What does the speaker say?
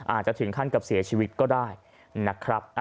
อาจจะถึงขั้นกับเสียชีวิตก็ได้นะครับ